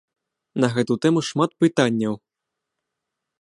На гэту тэму шмат пытанняў.